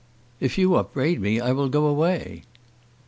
"If you upbraid me I will go away."